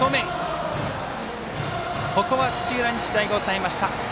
ここは土浦日大が抑えました。